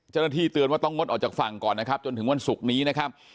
เจ้าหน้าที่เตือนว่าต้องงดออกจากฝั่งก่อนนะครับจนถึงวันศุกร์นี้นะครับ